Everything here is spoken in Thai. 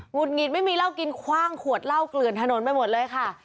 ุดหงิดไม่มีเหล้ากินคว่างขวดเหล้าเกลือนถนนไปหมดเลยค่ะ